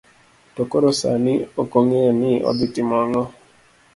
To koro sani, ok ong'eyo ni odhi timo ang'o.